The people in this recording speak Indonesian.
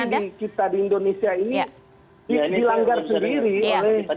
tanggungan demokrasi kita di indonesia ini dilanggar sendiri oleh